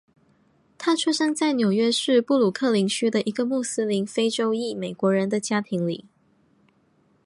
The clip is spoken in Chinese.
他出生在纽约市布鲁克林区的一个穆斯林非洲裔美国人的家庭里。